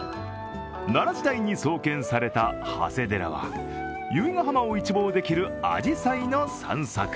奈良時代に創建された長谷寺は、由比ヶ浜を一望できるあじさいの散策。